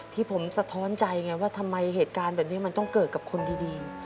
ที่ผมสะท้อนใจไงว่าทำไมเหตุการณ์แบบนี้มันต้องเกิดกับคนดี